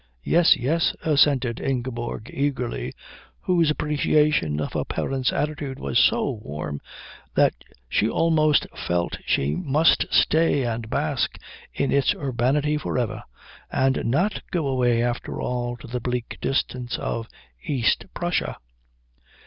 "Yes, yes," assented Ingeborg eagerly, whose appreciation of her parents' attitude was so warm that she almost felt she must stay and bask in its urbanity forever and not go away after all to the bleak distance of East Prussia.